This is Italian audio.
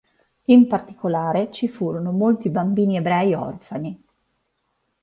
In particolare ci furono molti bambini ebrei orfani.